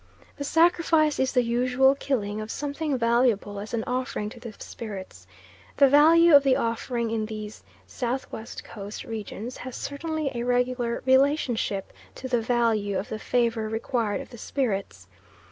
The sacrifice is the usual killing of something valuable as an offering to the spirits. The value of the offering in these S.W. Coast regions has certainly a regular relationship to the value of the favour required of the spirits.